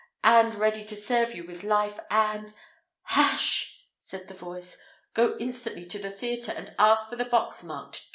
and ready to serve you with life and " "Hush!" said the voice. "Go instantly to the theatre, and ask for the box marked G.